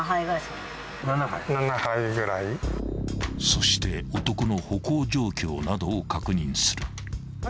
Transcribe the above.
［そして男の歩行状況などを確認する］